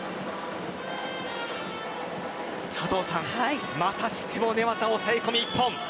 佐藤さん、またしても寝技の抑え込み一本。